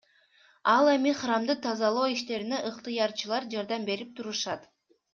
Ал эми храмды тазалоо иштерине ыктыярчылар жардам берип турушат.